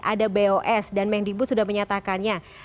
ada bos dan mendikbud sudah menyatakannya